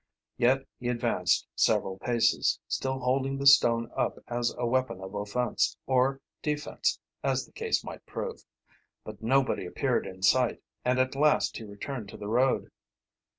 Yet he advanced several paces, still holding the stone up as a weapon of offense or defense, as the case might prove. But nobody appeared in sight, and at last he returned to the road.